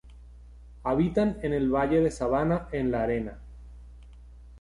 Habitan en el valle de sabana en la arena.